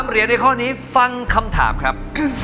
เหรียญในข้อนี้ฟังคำถามครับ